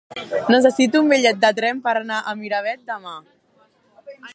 Necessito un bitllet de tren per anar a Miravet demà.